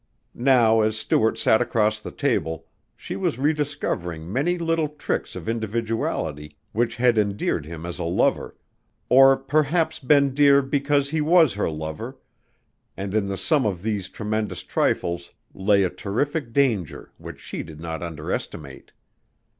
Now as Stuart sat across the table, she was rediscovering many little tricks of individuality which had endeared him as a lover, or perhaps been dear because he was her lover, and in the sum of these tremendous trifles lay a terrific danger which she did not underestimate.